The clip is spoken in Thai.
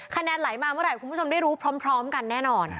คะแนนไหลมาเมื่อไหร่คุณผู้ชมได้รู้พร้อมกันแน่นอน